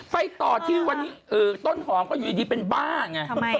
ไปต่อที่วันนี้ต้นหอมก็อยู่ดีเป็นบ้าไง